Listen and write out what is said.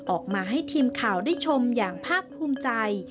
ออกมาให้ทีมข่าวได้ชมอย่างภาคภูมิใจ